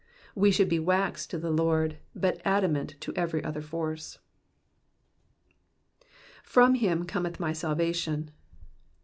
We should be wax to the Lord, but adamant to every other force. ^^From him oometh my mhation.''''